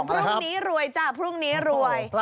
พรุ่งนี้รวยจ้ะพรุ่งนี้รวย